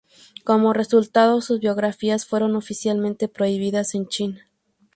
Como resultado, sus biografías fueron oficialmente prohibidas en China.